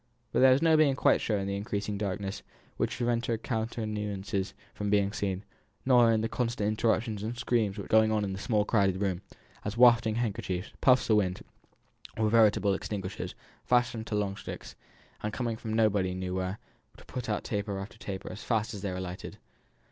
But there was no being quite sure in the increasing darkness, which prevented countenances from being seen; nor in the constant interruptions and screams which were going on in the small crowded room, as wafting handkerchiefs, puffs of wind, or veritable extinguishers, fastened to long sticks, and coming from nobody knew where, put out taper after taper as fast as they were lighted.